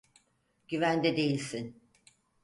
Güvende değilsin.